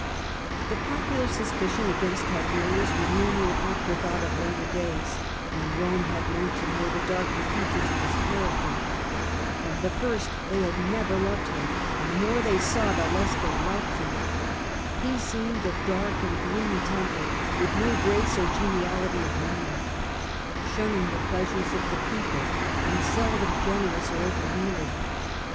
The popular suspicion against Tiberius was no mere after thought of later days, when Rome had learnt to know the darker features of his character. From the first they had never loved him, and the Reasons. The people disliked from the more they saw the less they liked him. He seemed of dark and gloomy temper, with no grace or geniality of manner, shunning the pleasures of the people, and seldom generous or open handed.